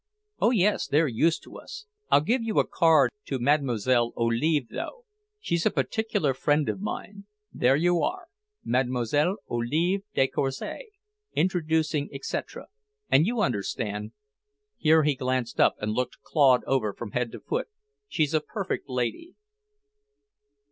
"Oh, yes, they're used to us! I'll give you a card to Mlle. Olive, though. She's a particular friend of mine. There you are: 'Mlle. Olive de Courcy, introducing, etc.' And, you understand," here he glanced up and looked Claude over from head to foot, "she's a perfect lady."